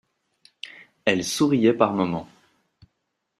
Elle souriait par moments.